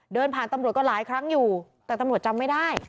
เดินผ่านตำรวจก็หลายครั้งอยู่แต่ตำรวจจำไม่ได้